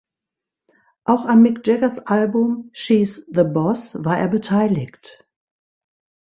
Auch an Mick Jaggers Album "She’s the Boss" war er beteiligt.